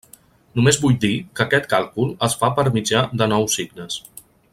Només vull dir que aquest càlcul es fa per mitjà de nou signes.